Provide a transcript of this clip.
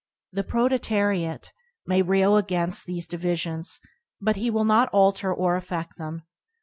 The proletariat may rail against these divi sions, but he will not alter or affedl them.